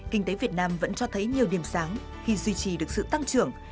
kinh tế việt nam vẫn cho thấy nhiều điểm sáng khi duy trì được sự tăng trưởng